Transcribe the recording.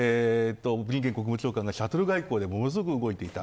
ブリンケン国務長官がシャトル外交でものすごく動いていた。